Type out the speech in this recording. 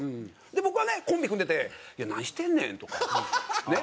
僕はねコンビ組んでて「何してんねん」とかねっ？